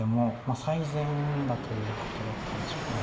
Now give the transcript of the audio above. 最善だということだったんでしょうか。